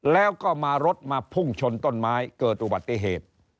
แล้วก็มารถมาพุ่งชนต้นไม้เกิดอุบัติเหตุ